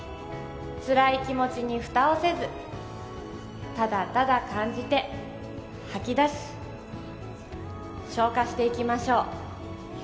つらい気持ちに蓋をせずただただ感じて吐き出し消化していきましょう